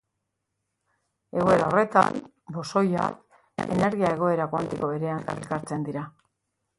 Egoera horretan, bosoiak, energia-egoera kuantiko berean elkartzen dira.